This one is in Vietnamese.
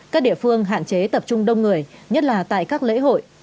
các địa phương hạn chế tập trung đông người nhất là tại các lễ hội